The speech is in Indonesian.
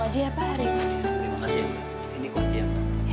terima kasih ini kuantian